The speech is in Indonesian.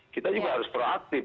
kita juga harus proaktif